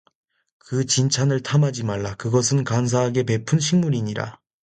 그 진찬을 탐하지 말라 그것은 간사하게 베푼 식물이니라